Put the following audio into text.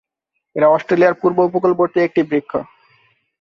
এরা অস্ট্রেলিয়ার পূর্ব উপকূলবর্তী একটি বৃক্ষ।